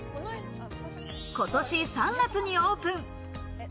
今年３月にオープン。